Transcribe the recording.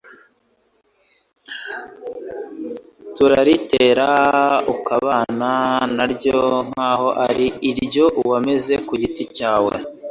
turaritera ukabana na ryo nk'aho ari iryo wameze ku giti cyawe